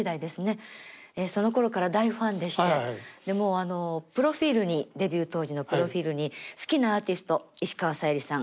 そのころから大ファンでしてもうプロフィールにデビュー当時のプロフィールに好きなアーティスト石川さゆりさん